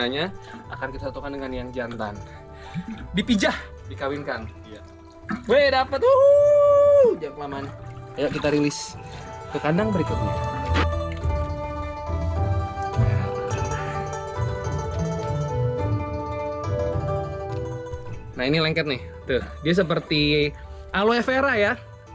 nah ini lengket nih dia seperti aloe vera ya